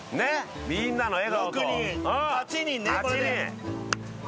みんなの笑顔と。